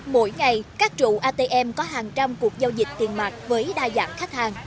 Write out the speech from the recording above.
mỗi ngày các trụ atm có hàng trăm cuộc giao dịch tiền mạc với đa dạng khách hàng